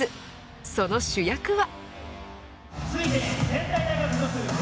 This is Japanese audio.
その主役は。